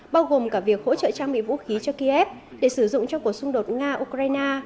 bao gồm cả việc hỗ trợ trang bị vũ khí cho kiev để sử dụng cho cuộc xung đột nga ukraine